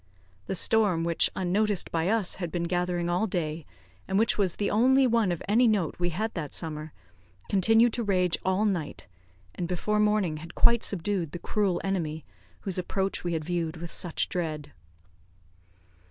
The storm which, unnoticed by us, had been gathering all day, and which was the only one of any note we had that summer, continued to rage all night, and before morning had quite subdued the cruel enemy, whose approach we had viewed with such dread.